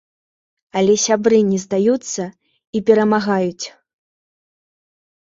Але сябры не здаюцца і перамагаюць.